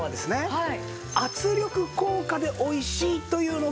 はい！